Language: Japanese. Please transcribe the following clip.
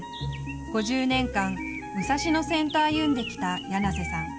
５０年間、武蔵野線と歩んできた柳瀬さん。